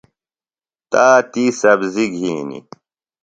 تاتی سبزیۡ گِھنیۡ۔